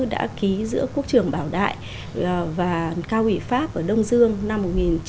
đã ký giữa quốc trưởng bảo đại và cao ủy pháp ở đông dương năm một nghìn chín trăm bảy mươi